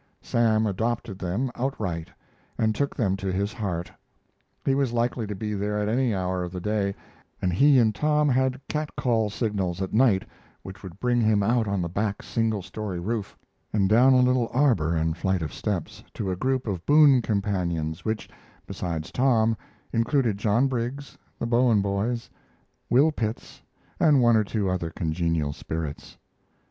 Sam adopted them, outright, and took them to his heart. He was likely to be there at any hour of the day, and he and Tom had cat call signals at night which would bring him out on the back single story roof, and down a little arbor and flight of steps, to the group of boon companions which, besides Tom, included John Briggs, the Bowen boys, Will Pitts, and one or two other congenial spirits.